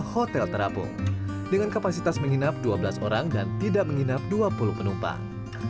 hotel terapung dengan kapasitas menginap dua belas orang dan tidak menginap dua puluh penumpang